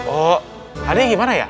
oh tadi gimana ya